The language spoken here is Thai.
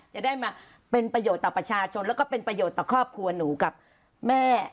จะได้มาเป็นประโยชน์ต่อประชาชนแล้วก็เป็นประโยชน์ต่อครอบครัวหนูกับแม่